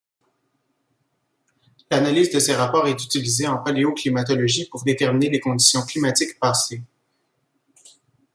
L'analyse de ces rapports est utilisée en paléoclimatologie pour déterminer les conditions climatiques passées.